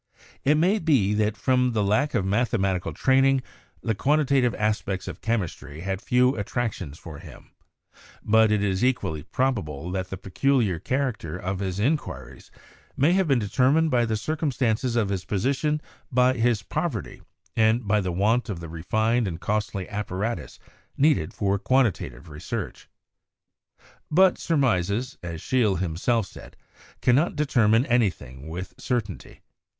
It may be that from the lack of mathemati cal training the quantitative aspects of chemistry had few attractions for him, but it is equally probable that the pe culiar character of his inquiries may have been determined by the circumstances of his position, by his poverty, and by the want of the refined and costly apparatus needed for quantitative research. But surmises, as Scheele himself said, cannot determine anything with certainty.